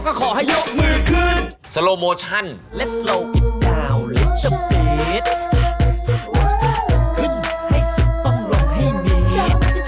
ขึ้นให้สิทธิ์ต้องลงให้มี